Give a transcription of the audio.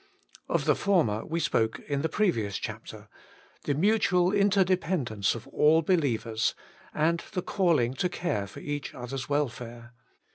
Of the former we spoke in the previous chapter — the mutual interdependence of all believers, and the calling to care foi each other's welfare.